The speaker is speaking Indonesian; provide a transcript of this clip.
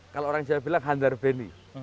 kalau orang jawa bilang handal benni